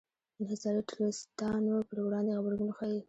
انحصاري ټرستانو پر وړاندې غبرګون ښيي.